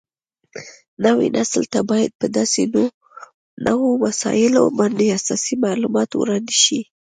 نوي نسل ته باید په داسې نوو مسایلو باندې اساسي معلومات وړاندې شي